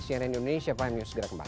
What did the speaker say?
cnn indonesia prime news segera kembali